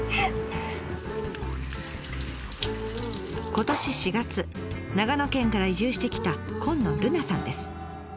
今年４月長野県から移住してきた今野瑠奈さんです。